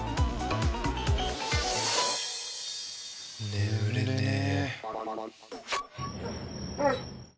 眠れねえ。